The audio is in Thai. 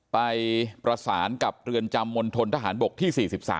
ไปประสานกับเรือนจำมณฑนทหารบกที่๔๓